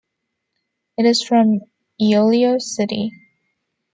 It is from Iloilo City.